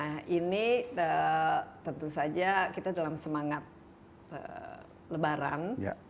nah ini tentu saja kita dalam semangat lebaran